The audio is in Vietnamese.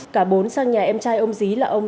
cả bốn sang nhà em trai ông dí là ông